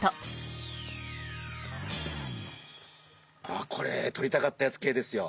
あこれとりたかったやつ系ですよ。